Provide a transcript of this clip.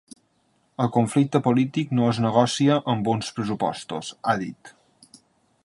“El conflicte polític no es negocia amb uns pressupostos”, ha dit.